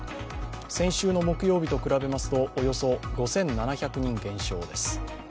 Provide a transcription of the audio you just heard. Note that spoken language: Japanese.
先週の木曜日と比べますとおよそ５７００人減少です。